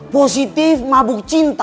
positif mabuk cinta